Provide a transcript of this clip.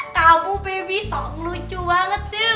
kamu bebisok lucu banget tuh